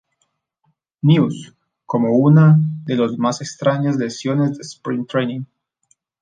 News" como una de los más extrañas lesiones de spring training.